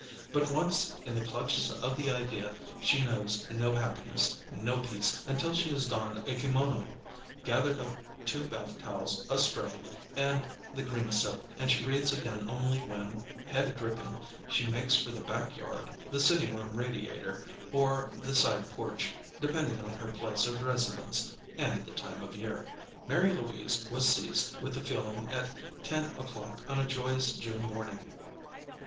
But once in the clutches of the idea she knows no happiness, no peace, until she has donned a kimono, gathered up two bath towels, a spray, and the green soap, and she breathes again only when, head dripping, she makes for the back yard, the sitting room radiator, or the side porch (depending on her place of residence, and the time of year). Mary Louise was seized with the feeling at ten o'clock on a joyous June morning.